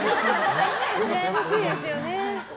うらやましいですよね。